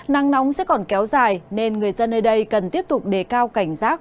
nắng nóng sẽ còn kéo dài nên người dân nơi đây cần tiếp tục đề cao cảnh giác